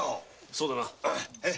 そうだな。